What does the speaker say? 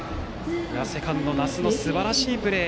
セカンド、那須のすばらしいプレー。